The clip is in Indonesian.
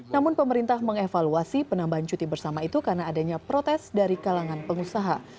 namun pemerintah mengevaluasi penambahan cuti bersama itu karena adanya protes dari kalangan pengusaha